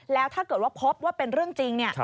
แล้วถ้าเกิดว่าพบว่าเป็นเรื่องจริงเนี่ย